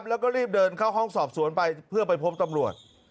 แล้วก็รีบเดินเข้าห้องสอบสวนไปเพื่อไปพบตำรวจ